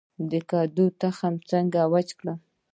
د کدو تخم څنګه وچ کړم؟